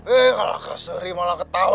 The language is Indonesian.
eh kalah keseri malah ketawa